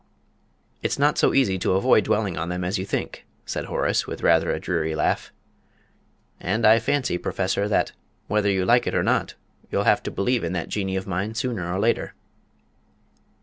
"It's not so easy to avoid dwelling on them as you think!" said Horace, with rather a dreary laugh. "And I fancy, Professor, that whether you like it or not you'll have to believe in that Jinnee of mine sooner or later."